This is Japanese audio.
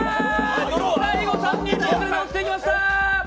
最後、３人とも落ちていきました。